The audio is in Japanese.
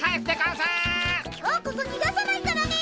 今日こそにがさないからね！